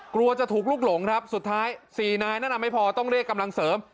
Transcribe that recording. กลัวจะถูกลุกหลงครับสุดท้าย๔นายนั้นไม่พอต้องเรียกกำลังเสริม